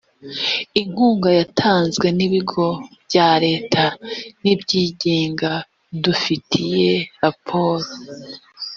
inkunga yatanzwe n ibigo bya leta n ibyigenga dufitiye raporo